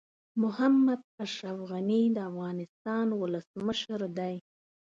محمد اشرف غني د افغانستان ولسمشر دي.